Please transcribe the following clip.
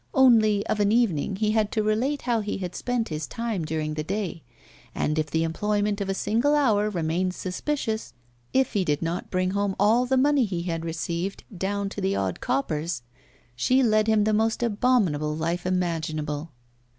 Only, of an evening, he had to relate how he had spent his time during the day, and if the employment of a single hour remained suspicious, if he did not bring home all the money he had received, down to the odd coppers, she led him the most abominable life imaginable.